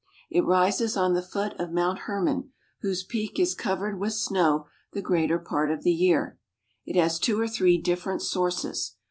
It rises on the foot of Mount Hermon, whose peak is covered with snow the greater part of the year. It has two or three different sources.